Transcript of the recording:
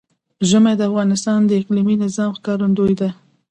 ژمی د افغانستان د اقلیمي نظام ښکارندوی ده.